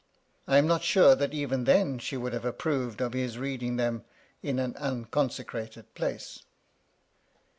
I am not sure that even then she would have approved of his reading them in an unconsecrated place.